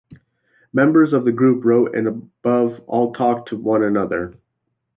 Members of the group wrote and above all talked to one another.